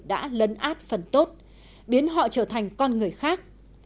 đã lấn át phần tốt biến họ trở thành con người khác